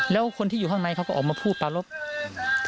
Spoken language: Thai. แล้วคนที่อยู่ข้างในเขาก็ออกมาพูดปลารบ